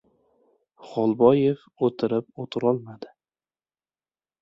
Xolboyev o‘tirib-o‘tirolmadi.